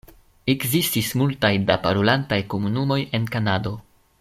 Ekzistis multaj da parolantaj komunumoj en Kanado.